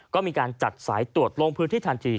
ก็มีการจัดสายตรวจลงพื้นที่ทันที